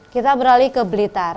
kita beralih ke blitar